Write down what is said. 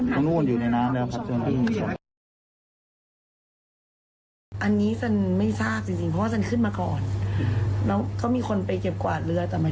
แต่ฉันไม่ทราบจริงเพราะว่าสำหรับแก้วาย